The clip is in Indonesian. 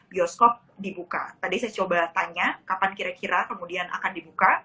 bioskop dibuka tadi saya coba tanya kapan kira kira kemudian akan dibuka